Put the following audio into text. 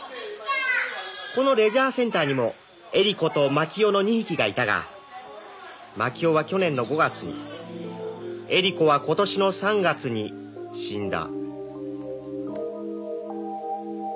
このレジャーセンターにもエリコとマキオの２匹がいたがマキオは去年の５月にエリコは今年の３月に死んだ」。